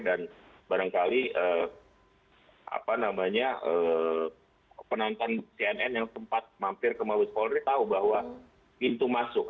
dan barangkali penonton cnn yang sempat mampir ke mabes polri tahu bahwa pintu masuk